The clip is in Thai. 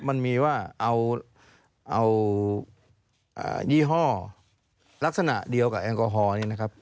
มันมีว่าเอายี่ห้อลักษณะเดียวกับแอลกอฮอลนี่นะครับ